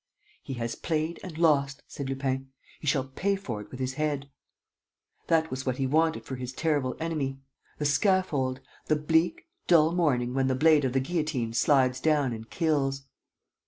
"He has played and lost," said Lupin. "He shall pay for it with his head." That was what he wanted for his terrible enemy: the scaffold, the bleak, dull morning when the blade of the guillotine slides down and kills.